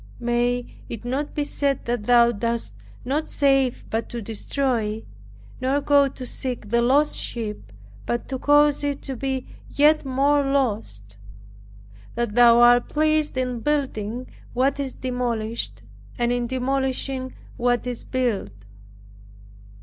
May it not be said that Thou dost not save but to destroy, nor go to seek the lost sheep, but to cause it to be yet more lost; that Thou art pleased in building what is demolished, and in demolishing what is built.